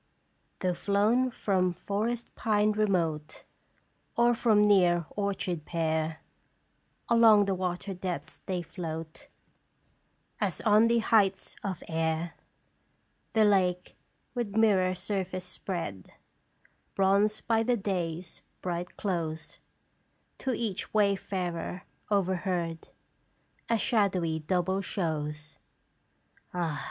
" Though flown from forest pine remote, Or from near orchard pear, Along the water depths they float, As on the heights of air. " The lake, with mirror surface spread, Bronzed by the day's bright close, To each wayfarer overhead, A shadowy double shows. "Ah